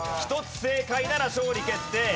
１つ正解なら勝利決定。